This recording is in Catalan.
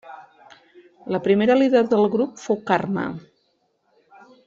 La primera líder del grup fou Karma.